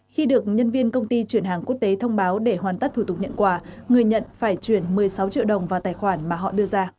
khi được nhân viên công ty chuyển hàng quốc tế thông báo để hoàn tất thủ tục nhận quà người nhận phải chuyển một mươi sáu triệu đồng vào tài khoản mà họ đưa ra